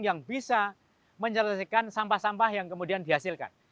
yang bisa menyelesaikan sampah sampah yang kemudian dihasilkan